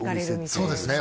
そうですね